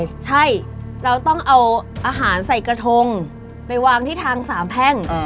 ใช่เราต้องเอาอาหารใส่กระทงไปวางที่ทางสามแพ่ง